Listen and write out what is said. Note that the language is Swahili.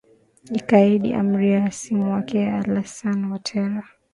ikaidi amri ya hasimu wake alasan watera